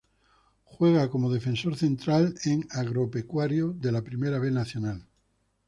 Juega como defensor central en Agropecuario de la Primera B Nacional.